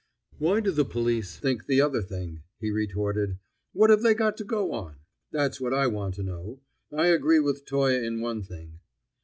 "Why do the police think the other thing?" he retorted. "What have they got to go on? That's what I want to know. I agree with Toye in one thing."